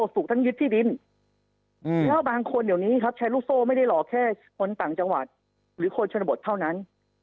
และผมบอกว่านี่นรมาด้วยกันอาจารย์สามารถ